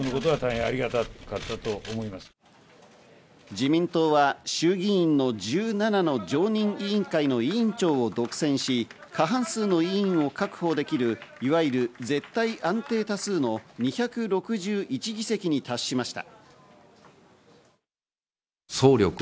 自民党は衆議院の１７の常任委員会の委員長を独占し、過半数の委員を確保できる、いわゆる絶対安定多数の２６１議席に達しました。